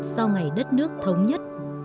sau ngày đất nước thống nhất